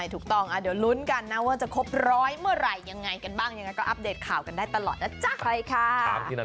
ดูก็ลุ้นกันนะนะว่าจะครบร้อยเมื่อไหร่ยังไงกันบังก็อัพเดตข่าวกันได้ตลอดไปค่า